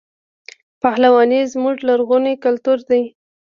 پهلواني زموږ لرغونی کلتور دی.